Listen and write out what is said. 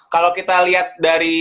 kalau kita lihat dari